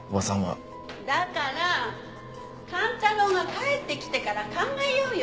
だから寛太郎が帰ってきてから考えようよ。